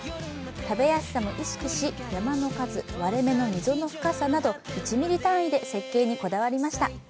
食べやすさも意識し、山の数、割れ目の溝の深さなど１ｍｍ単位で設計にこだわりました。